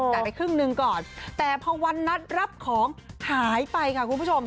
ไปครึ่งหนึ่งก่อนแต่พอวันนัดรับของหายไปค่ะคุณผู้ชม